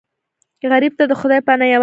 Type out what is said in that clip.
غریب ته د خدای پناه یوازینی امید وي